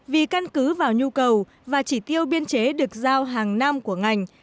vì căn cứ vào nhu cầu và chỉ tiêu biên chế được giao hàng năm của ngành